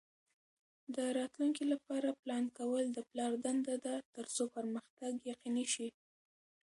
د راتلونکي لپاره پلان کول د پلار دنده ده ترڅو پرمختګ یقیني شي.